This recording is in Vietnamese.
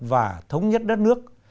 và thống nhất đất nước